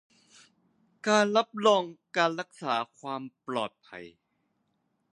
การรับรองการรักษาความปลอดภัย